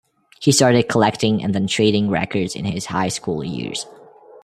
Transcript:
He started collecting and then trading records in his high school years.